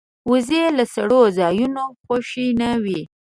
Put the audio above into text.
وزې له سړو ځایونو نه خوشې نه وي